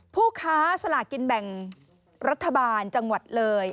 ผู้ค้าสลากินแบ่งรัฐบาลจังหวัดเลย